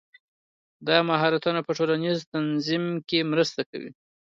دا مهارتونه په ټولنیز تنظیم کې مرسته کوي.